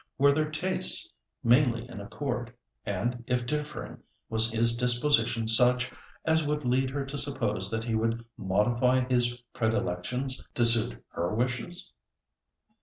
Were their tastes mainly in accord? and if differing, was his disposition such as would lead her to suppose that he would modify his predilections to suit her wishes?